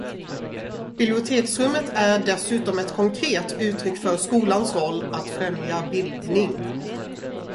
Biblioteksrummet är dessutom ett konkret uttryck för skolans roll att främja bildning.